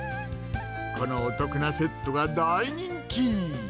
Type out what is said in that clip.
このお得なセットが大人気。